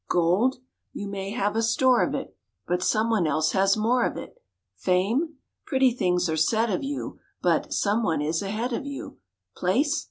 Gold? You may have a store of it, But someone else has more of it. Fame? Pretty things are said of you, But some one is ahead of you. Place?